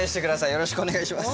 よろしくお願いします。